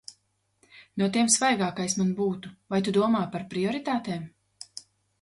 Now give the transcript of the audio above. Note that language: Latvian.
No tiem svaigākais man būtu – vai tu domā par prioritātēm?